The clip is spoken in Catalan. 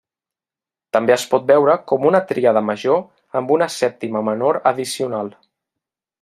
També es pot veure com una tríada major amb una sèptima menor addicional.